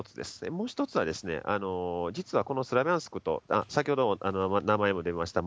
もう一つは実はこのスラビャンスクと先ほど名前も出ました